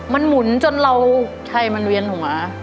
มันหมุนจนเราใช่มันเวียนหูอา